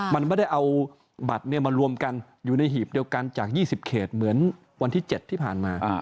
มันไม่ได้เอาบัตรมารวมกันอยู่ในหีบเดียวกันจาก๒๐เขตเหมือนวันที่๗ที่ผ่านมา